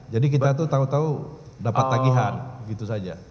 jadi kita tuh tahu tahu dapat tagihan gitu saja